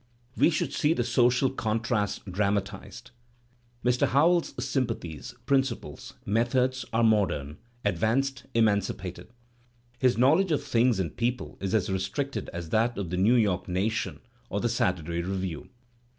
We should see the social contrasts dramatized. Mr. Howells's sympathies, principles, methods, are modern,^ advanced, emancipated. His knowledge of things and peo ple is as restricted as that of the New York Nation or the Saturday Review.